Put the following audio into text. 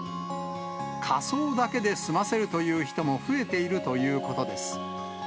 火葬だけで済ませるという人も増えているということです。